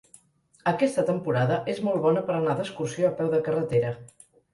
Aquesta temporada és molt bona per anar d'excursió a peu de carretera.